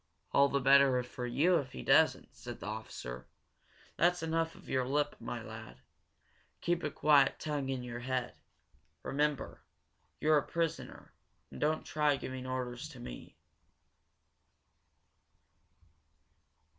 "All the better for you, if he doesn't," said the officer. "That's enough of your lip, my lad. Keep a quiet tongue in your head. Remember you're a prisoner, and don't try giving orders to me."